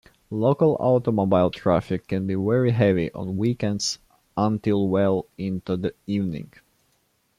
Local automobile traffic can be very heavy on weekends until well into the evening.